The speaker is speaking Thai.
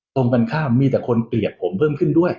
ตรงกันข้ามมีแต่คนเปียกผมเพิ่มขึ้นด้วย